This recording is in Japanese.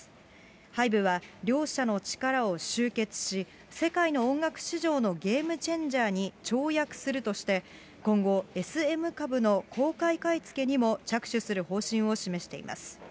ハイブは、両社の力を集結し、世界の音楽市場のゲームチェンジャーに跳躍するとして、今後、ＳＭ株の公開買い付けにも着手する方針を示しています。